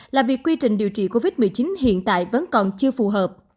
là việc quy trình điều trị covid một mươi chín hiện tại vẫn còn chưa phù hợp